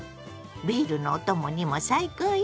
ビールのお供にも最高よ。